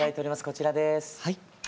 こちらです。